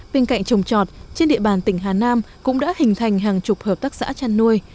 bên cạnh trồng trọt trên địa bàn tỉnh hà nam cũng đã hình thành hàng chục hợp tác xã chăn nuôi